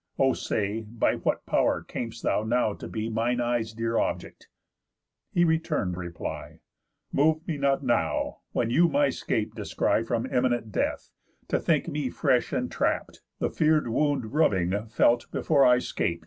O say, by what pow'r cam'st thou now to be Mine eyes' dear object?" He return'd reply: "Move me not now, when you my 'scape descry From imminent death, to think me fresh entrapt; The fear'd wound rubbing, felt before I 'scapt.